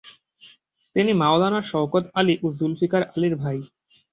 তিনি মাওলানা শওকত আলি ও জুলফিকার আলির ভাই।